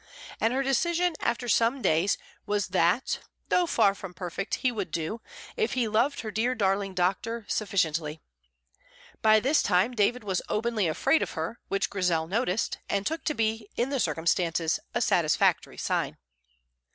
and her decision, after some days, was that, though far from perfect, he would do, if he loved her dear darling doctor sufficiently. By this time David was openly afraid of her, which Grizel noticed, and took to be, in the circumstances, a satisfactory sign.